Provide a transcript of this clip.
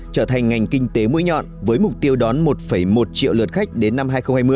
trở thành ngành kinh tế mũi nhọn với mục tiêu đón một một triệu lượt khách đến năm hai nghìn hai mươi